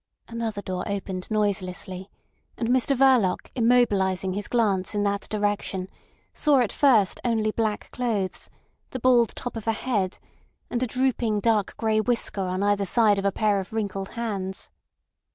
Another door opened noiselessly, and Mr Verloc immobilising his glance in that direction saw at first only black clothes, the bald top of a head, and a drooping dark grey whisker on each side of a pair of wrinkled hands.